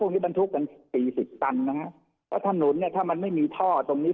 พวกนี้บรรทุกกัน๔๐ตันนะครับแล้วถนนเนี่ยถ้ามันไม่มีท่อตรงนี้